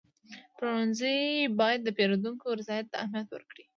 پلورنځی باید د پیرودونکو رضایت ته اهمیت ورکړي.